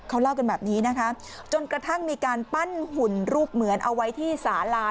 เขาเล่ากันแบบนี้นะคะจนกระทั่งมีการปั้นหุ่นรูปเหมือนเอาไว้ที่สาลา